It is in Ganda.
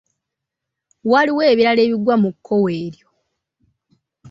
Waliwo ebirala ebigwa mu kkowe eryo.